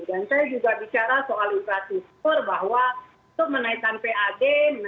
dan saya juga bicara soal infrastruktur bahwa menaikkan pad